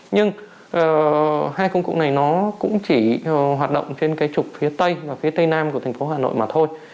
nhưng hai công cụ này nó cũng chỉ hoạt động trên cái trục phía tây và phía tây nam của thành phố hà nội mà thôi